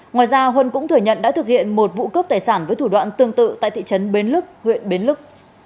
ngoài ra huân cũng thừa nhận đã thực hiện một vụ cướp tài sản với thủ đoạn tương tự tại thị trấn bến lức huyện bến lức